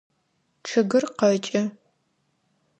Чъыгыр къэкӏы.